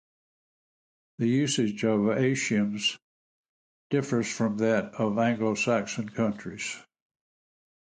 The usage of "Asians" differs from that of Anglo-Saxon countries.